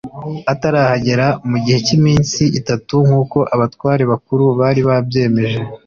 atarahageramu gihe cyiminsi itatu nkuko abatware bakuru bari babyemeje